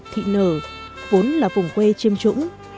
thị nở vốn là vùng quê chiêm trũng